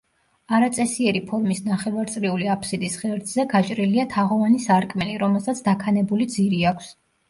არაწესიერი ფორმის ნახევარწრიული აფსიდის ღერძზე გაჭრილია თაღოვანი სარკმელი, რომელსაც დაქანებული ძირი აქვს.